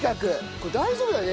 これ大丈夫だよね？